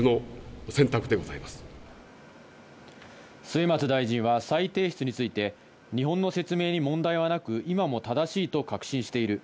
末松大臣は再提出について、日本の説明に問題はなく、今も正しいと確信している。